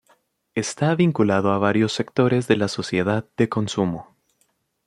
Está vinculado a varios sectores de la sociedad de consumo.